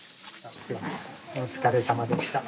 お疲れさまでした。